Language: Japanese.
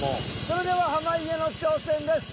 それでは濱家の挑戦です。